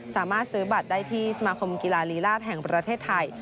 สามารถซื้อบัตรได้ที่สมาคมกีฬาลีลาศแห่งประเทศไทย